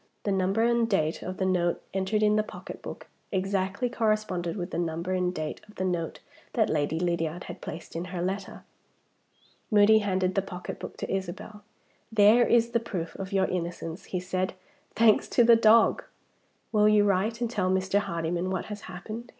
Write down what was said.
The number and date of the note entered in the pocketbook exactly corresponded with the number and date of the note that Lady Lydiard had placed in her letter. Moody handed the pocketbook to Isabel. "There is the proof of your innocence," he said, "thanks to the dog! Will you write and tell Mr. Hardyman what has happened?"